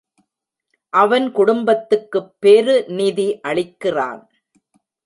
அவன் குடும்பத்துக்குப் பெரு நிதி அளிக்கிறான்.